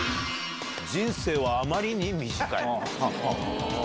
人生はあまりに短い。